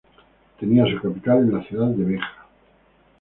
Tenía su capital en la ciudad de Beja.